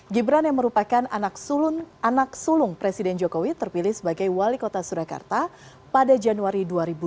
gibran yang merupakan anak sulung presiden jokowi terpilih sebagai wali kota surakarta pada januari dua ribu dua puluh